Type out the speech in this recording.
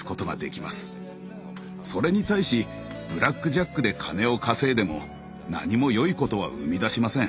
それに対しブラックジャックで金を稼いでも何も良いことは生み出しません。